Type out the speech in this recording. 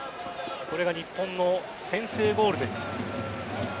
これが日本の先制ゴールです。